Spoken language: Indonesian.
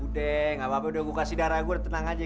udah gapapa udah gue kasih darah gue tenang aja